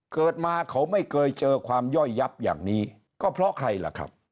เกิดมาเขาไม่เคยเจอความย่อยยับอย่างนี้ก็เพราะใครล่ะครับ